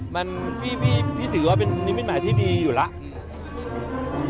มันพี่พี่ถือว่ามันเป็นมิดหมายที่ดีอยู่แล้ว